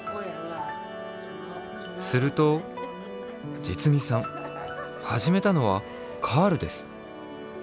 するとじつみさんはじめたのはカールです。